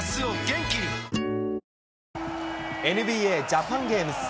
ＮＢＡジャパンゲームズ。